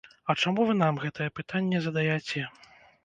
А чаму вы нам гэтае пытанне задаяце?